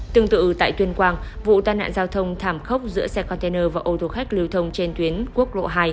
tương tự tại tuyên quang vụ tai nạn giao thông thảm khốc giữa xe container và ô tô khách lưu thông trên tuyến quốc lộ hai